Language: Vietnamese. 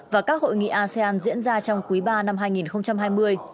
và các hội nghị asean diễn ra trong quý ba năm hai nghìn hai mươi